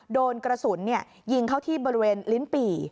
โดนกระสุนยิงเข้าที่บริเวณลิ้นปี่